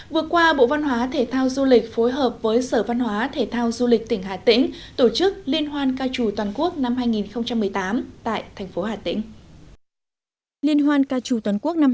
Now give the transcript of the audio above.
vừa qua bộ văn hóa thể thao du lịch phối hợp với sở văn hóa thể thao du lịch tỉnh hải tĩnh tổ chức liên hoan ca trù toàn quốc năm hai nghìn một mươi tám